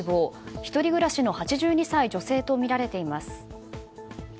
１人暮らしの８２歳女性とみられています。